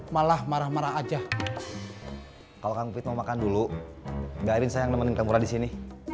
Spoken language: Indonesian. malah marah marah aja kalau kamu mau makan dulu enggak rinsang nemenin kamu disini